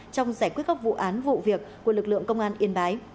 trong giải quyết các vụ án vụ việc của lực lượng công an yên bái